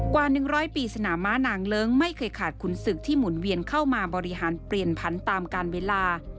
กว่า๑๐๐ปีสนามม้านางเลิ้งไม่เคยขาดขุนศึกที่หมุนเวียนเข้ามาบริหารเปลี่ยนพันธุ์ตามการเวลา